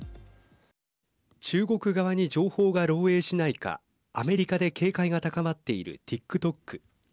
中国側に情報が漏えいしないかアメリカで警戒が高まっているＴｉｋＴｏｋ。